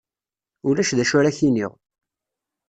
Ulac d acu ara ak-iniɣ.